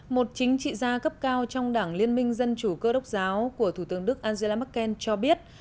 một chính trị gia cấp cao trong đảng liên minh dân chủ cơ đốc giáo của thủ tướng đức angela merkel cho biết